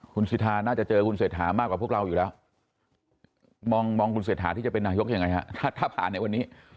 คุณสิทธาน่าจะเจอคุณเศรษฐามากกว่าพวกเราอยู่แล้วมองคุณเศรษฐาที่จะเป็นนายกยังไงฮะถ้าผ่านในวันนี้